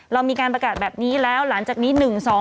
เรามีการประกาศแบบนี้แล้วหลังจากนี้๑๒๒